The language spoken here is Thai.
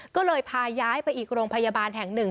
ก็เลยพาย้ายไปอีกโรงพยาบาลแห่งหนึ่ง